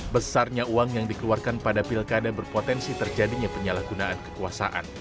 besarnya uang yang dikeluarkan pada pilkada berpotensi terjadinya penyalahgunaan kekuasaan